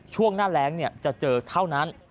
ช่วงหน้าแรงจะเจอเท่านั้น